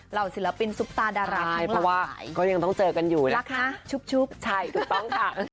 เหล่าศิลปินซุปตาดารายทั้งหลายเพราะว่าก็ยังต้องเจอกันอยู่นะแล้วคะชุบใช่ถูกต้องค่ะ